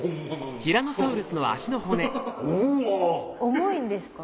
重いんですか？